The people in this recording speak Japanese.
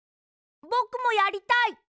ぼくもやりたい。